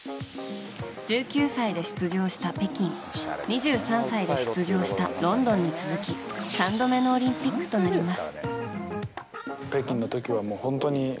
１９歳で出場した北京２３歳で出場したロンドンに続き３度目のオリンピックとなります。